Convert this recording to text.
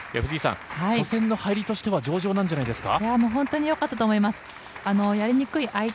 初戦の入りとしては上々なんじゃないですか？